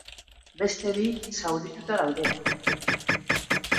Beste bi zaurituta daude.